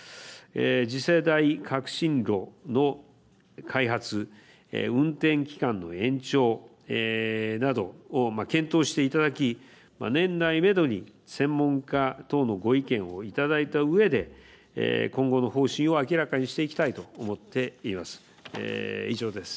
次世代核心炉の開発、運転期間の延長など検討していただき年内をめどに専門家等のご意見をいただいた上で今後の方針を明らかにしていきたいと思っています。